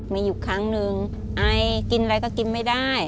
มีอยู่ครั้งหนึ่งไอกินอะไรก็กินไม่ได้